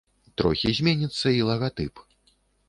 Трохі зменіцца і лагатып.